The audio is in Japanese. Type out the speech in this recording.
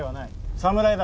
侍だ。